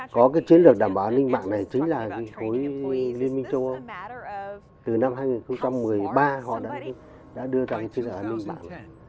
có cái chiến lược đảm bảo an ninh mạng này chính là cái khối liên minh châu âu từ năm hai nghìn một mươi ba họ đã đưa ra cái chiến lược an ninh mạng này